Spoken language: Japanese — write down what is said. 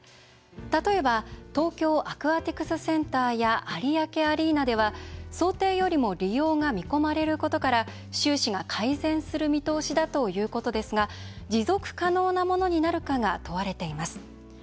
例えば東京アクアティクスセンターや有明アリーナでは想定よりも利用が見込まれることから収支が改善する見通しだということですが持続可能なものになるかが問われています。